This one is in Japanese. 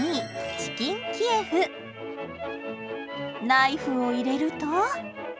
ナイフを入れると。